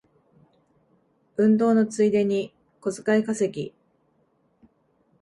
運動のついでに小遣い稼ぎ